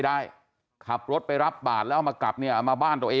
โอ้โฮคือบอกเป็นพระจะไม่ให้มาบ้านเลยเหรอ